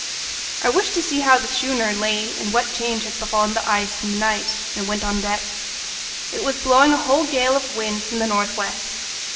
I wished to see how the schooner lay and what change had befallen the ice in the night, and went on deck. It was blowing a whole gale of wind from the north west.